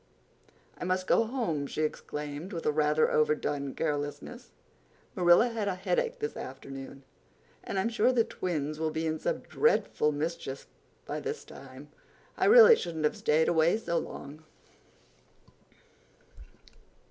"I must go home," she exclaimed, with a rather overdone carelessness. "Marilla had a headache this afternoon, and I'm sure the twins will be in some dreadful mischief by this time. I really shouldn't have stayed away so long."